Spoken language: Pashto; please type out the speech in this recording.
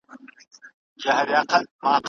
هیوادونو به د رایې ورکولو حق تضمین کړی وي.